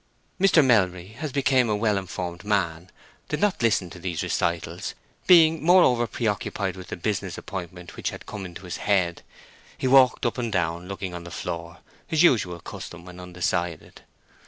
Mr. Melbury, as became a well informed man, did not listen to these recitals, being moreover preoccupied with the business appointment which had come into his head. He walked up and down, looking on the floor—his usual custom when undecided.